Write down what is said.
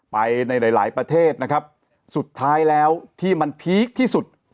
ไปในหลายหลายประเทศนะครับสุดท้ายแล้วที่มันพีคที่สุด